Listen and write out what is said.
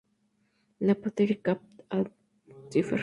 La Poterie-Cap-d'Antifer